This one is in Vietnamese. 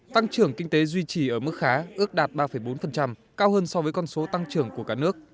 tăng trưởng kinh tế duy trì ở mức khá ước đạt ba bốn cao hơn so với con số tăng trưởng của cả nước